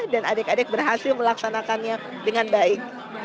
dan adik adik berhasil melaksanakannya dengan baik